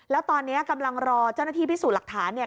แล้วตอนนี้กำลังรอเจ้าหน้าที่พิสูจน์หลักฐานเนี่ย